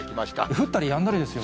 降ったりやんだりですよね。